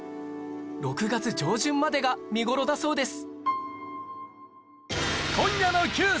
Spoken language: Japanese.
６月上旬までが見頃だそうです